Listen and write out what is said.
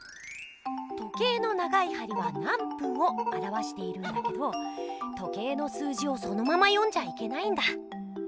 時計の長いはりは「なんぷん」をあらわしているんだけど時計の数字をそのままよんじゃいけないんだ。